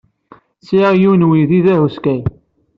Sɛiɣ yiwen n uydi d ahuskay.